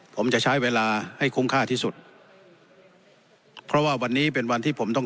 ผมจะใช้เวลาให้คุ้มค่าที่สุดเพราะว่าวันนี้เป็นวันที่ผมต้อง